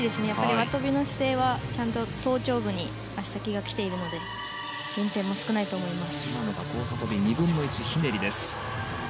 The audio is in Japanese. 輪とびの姿勢はちゃんと頭頂部に足先が来ているので減点も少ないと思います。